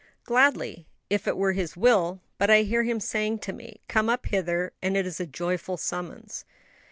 "Gladly, if it were His will; but I hear Him saying to me, 'Come up hither'; and it is a joyful summons."